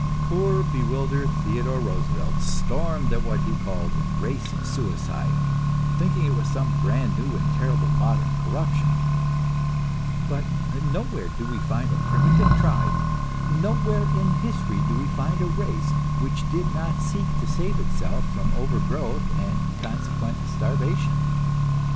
Poor, bewildered Theodore Roosevelt stormed at what he called "race suicide," thinking it was some brand new and terrible modern corruption; but nowhere do we find a primitive tribe, nowhere in history do we find a race which did not seek to save itself from overgrowth and consequent starvation.